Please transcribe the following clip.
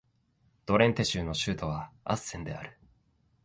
ドレンテ州の州都はアッセンである